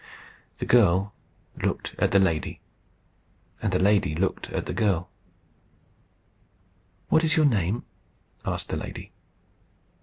The girl looked at the lady, and the lady looked at the girl. "What is your name?" asked the lady.